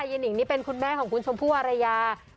นิงนี่เป็นคุณแม่ของคุณชมพู่อารยา